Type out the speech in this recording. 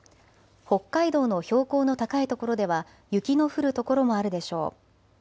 北海道の標高の高い所では雪の降る所もあるでしょう。